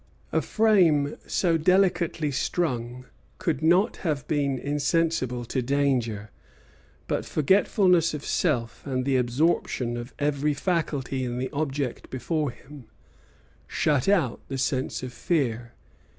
A frame so delicately strung could not have been insensible to danger; but forgetfulness of self, and the absorption of every faculty in the object before him, shut out the sense of fear.